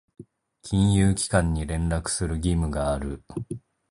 金融機関に連絡する義務がある。